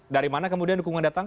dari mana kemudian dukungan datang